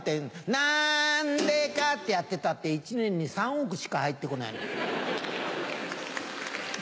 なんでか？ってやってたって一年に３億しか入って来ないの。